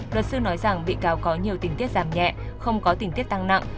luật sư nói rằng bị cáo có nhiều tình tiết giảm nhẹ không có tình tiết tăng nặng